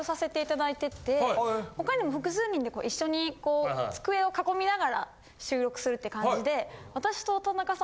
他にも複数人で一緒にこう机を囲みながら収録するって感じで私と田中さん